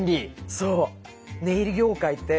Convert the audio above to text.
そう。